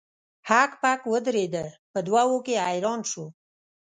هک پک ودریده په دوه وو کې حیران شو.